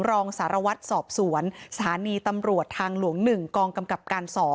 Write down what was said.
รองสารวัตรสอบสวนสถานีตำรวจทางหลวง๑กองกำกับการ๒